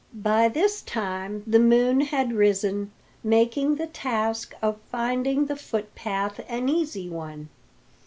By this time the moon had risen, making the task of finding the footpath an easy one.